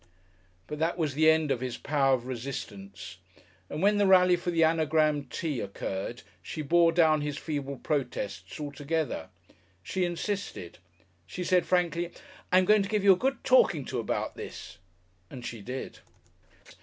But that was the end of his power of resistance, and when the rally for the Anagram Tea occurred she bore down his feeble protests altogether. She insisted. She said frankly, "I am going to give you a good talking to about this," and she did....